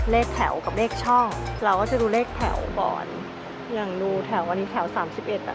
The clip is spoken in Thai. เลขแถวกับเลขช่องเราก็จะดูเลขแถวบอลอย่างดูแถววันนี้แถวสามสิบเอ็ดอ่ะ